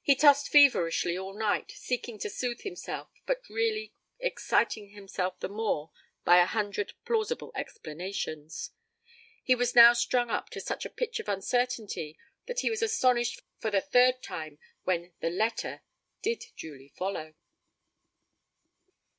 He tossed feverishly all night, seeking to soothe himself, but really exciting himself the more by a hundred plausible explanations. He was now strung up to such a pitch of uncertainty that he was astonished for the third time when the 'letter' did duly 'follow'.